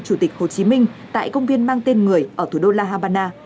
chủ tịch hồ chí minh tại công viên mang tên người ở thủ đô la habana